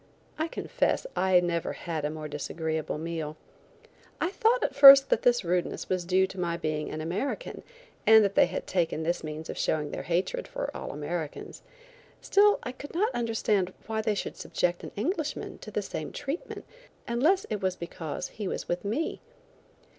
I confess I never had a more disagreeable meal. I thought at first that this rudeness was due to my being an American and that they had taken this means of showing their hatred for all Americans. Still I could not understand why they should subject an Englishman to the same treatment unless it was because he was with me.